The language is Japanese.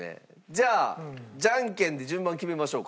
じゃあジャンケンで順番決めましょうか。